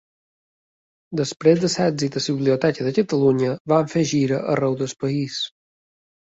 Després de l'èxit a la Biblioteca de Catalunya van fer gira arreu del país.